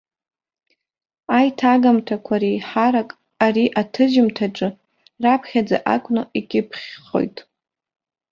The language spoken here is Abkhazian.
Аиҭагамҭақәа реиҳарак ари аҭыжьымҭаҿы раԥхьаӡа акәны икьыԥхьхоит.